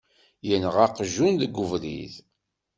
Yenɣa aqjun deg ubrid.